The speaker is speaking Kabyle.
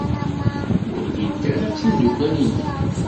Ur llint ara d timeddukal-nnem?